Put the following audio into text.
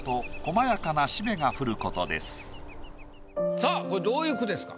さぁこれどういう句ですか？